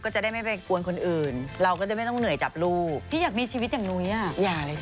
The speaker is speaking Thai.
ชิคกี้พายอยากมีชีวิตอย่างนุ้ยอ่ะ